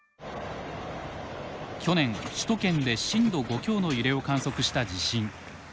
去年首都圏で震度５強の揺れを観測した地震。